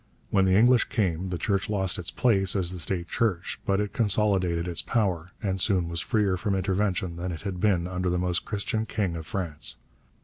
When the English came, the Church lost its place as the state church, but it consolidated its power, and soon was freer from intervention than it had been under the Most Christian King of France.